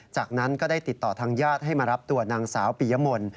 จากนั้นก็ได้ติดต่อทางญาติให้มารับตัวนางสาวปียมล